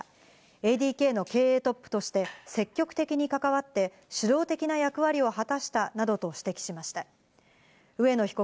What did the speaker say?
ＡＤＫの経営トップとして積極的に関わって主導的な役割を果たしたなどと指摘しました。